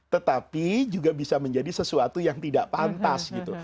tetapi juga bisa menjadi sesuatu yang tidak pantas gitu